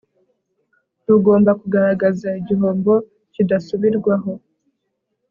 rugomba kugaragaza igihombo kidasubirwaho